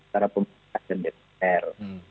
para pemilik dpr